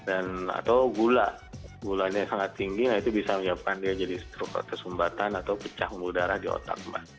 atau gula gulanya sangat tinggi itu bisa menyebabkan stroke atau sumbatan atau pecah pembuluh darah di otak mbak